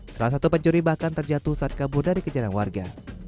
salah satu pencuri bahkan terjatuh saat kabur dari kejaran warga